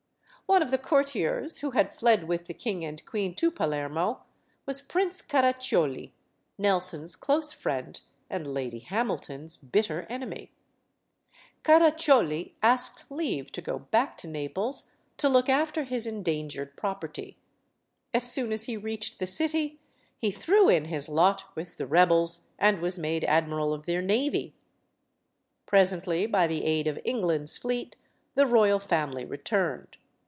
One of the courtiers who had fled with the king and queen to Palermo was Prince Caraccioli, Nelson's close friend and Lady Hamilton's bitter enemy. Caraccioli asked leave to go back to Naples to look after his en dangered property. As soon as he reached the city, he threw in his lot with the rebels and was made ad miral of their navy. Presently, by the aid of England's fleet, the royal family returned.